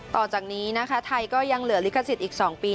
ต่อจากนี้นะคะไทยก็ยังเหลือลิขสิทธิ์อีก๒ปี